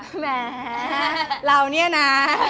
แหมเราเนี่ยนะ